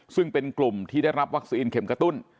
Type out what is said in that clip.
ซึ่งเป็นกลุ่มที่ได้รับวัคซีนเข็มกระตุ้น